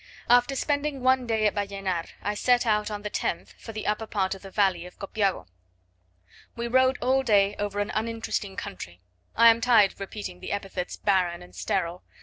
After spending one day at Ballenar I set out, on the 10th, for the upper part of the valley of Copiapo. We rode all day over an uninteresting country. I am tired of repeating the epithets barren and sterile.